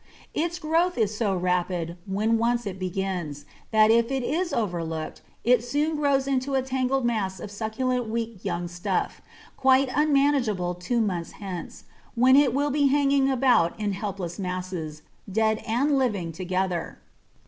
Its growth is so rapid when once it begins, that if it is overlooked it soon grows into a tangled mass of succulent weak young stuff, quite unmanageable two months hence, when it will be hanging about in helpless masses, dead and living together.